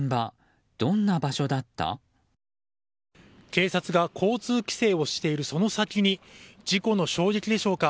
警察が交通規制をしているその先に事故の衝撃でしょうか